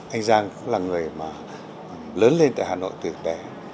anh giang cũng là người lớn lên tại hà nội từ đẻ